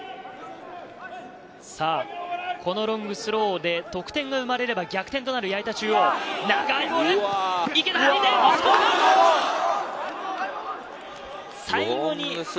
このロングスローで得点が生まれれば逆転となる矢板中央、長いボール。